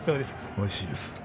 おいしいですね。